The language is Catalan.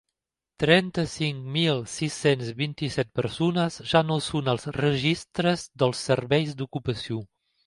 Trenta-cinc mil sis-cents vint-i-set persones ja no són als registres dels serveis d’ocupació.